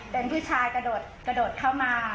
เป็นผู้ชายกระโดดเข้ามา